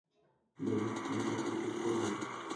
David, please একটু চুপ করবি?